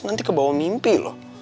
nanti kebawa mimpi loh